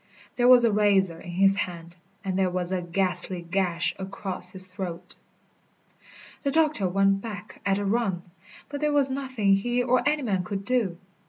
There was a razor in his hand, and there was a ghastly gash across his throat. The doctor went back at a run, but there was nothing he or any man could do.